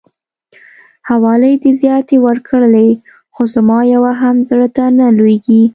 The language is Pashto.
حوالې دي زياتې ورکړلې خو زما يوه هم زړه ته نه لويږي.